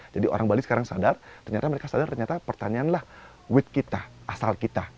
jadi orang bali sekarang sadar ternyata mereka sadar ternyata pertanianlah wit kita asal kita